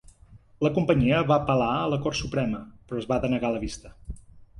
La companyia va apel·lar a la Cort Suprema, però es va denegar la vista.